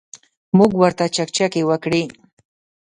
موږ ورته چکچکې وکړې.